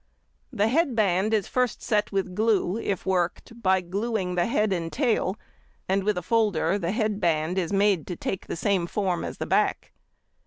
The head band is first set with glue, if worked, by gluing the head and tail, and with a folder the head band is made to take the same form as the back.